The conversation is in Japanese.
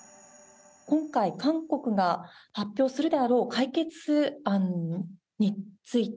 今回韓国が発表するであろう解決案について